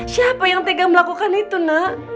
siapa yang tega melakukan itu nak